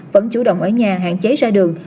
vẫn chủ động ở nhà hạn chế ra đường